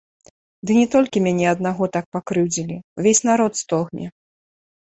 Ды не толькі мяне аднаго так пакрыўдзілі, увесь народ стогне.